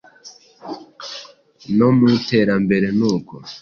No mu iterambere nuko